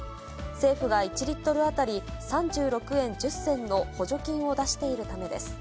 政府が１リットル当たり３６円１０銭の補助金を出しているためです。